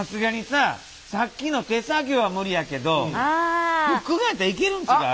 さっきの手作業は無理やけどフックガンやったらいけるん違う？